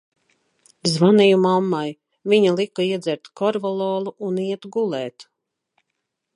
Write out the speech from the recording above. Zvanīju mammai, viņa lika iedzert korvalolu un iet gulēt.